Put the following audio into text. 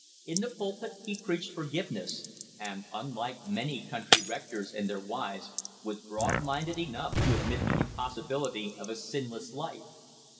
In the pulpit he preached forgiveness, and, unlike many country rectors and their wives, was broad minded enough to admit the impossibility of a sinless life.